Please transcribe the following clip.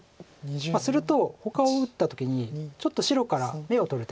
するとほかを打った時にちょっと白から眼を取る手が難しいんです。